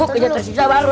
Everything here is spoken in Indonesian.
kejatasin kita baru